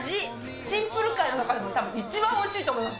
シンプル界の中で一番おいしいと思います。